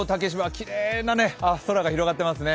きれいな青空が広がっていますね。